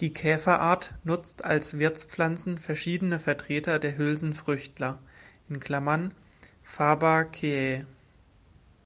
Die Käferart nutzt als Wirtspflanzen verschiedene Vertreter der Hülsenfrüchtler (Fabaceae).